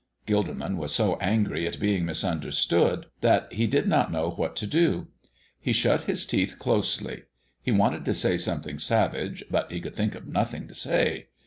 Gilderman was so angry at being misunderstood that he did not know what to do. He shut his teeth closely. He wanted to say something savage, but he could think of nothing to say.